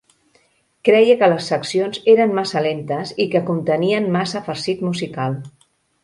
Creia que les seccions eren massa lentes i que contenien massa farcit musical.